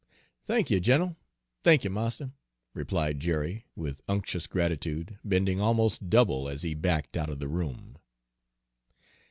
"Thank y', gin'l, thank y', marster," replied Jerry, with unctuous gratitude, bending almost double as he backed out of the room.